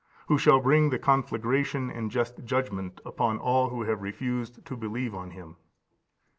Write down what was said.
who shall bring the conflagration and just judgment upon all who have refused to believe on Him.